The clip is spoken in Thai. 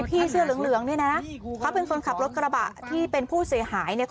เสื้อเหลืองเนี่ยนะเขาเป็นคนขับรถกระบะที่เป็นผู้เสียหายเนี่ย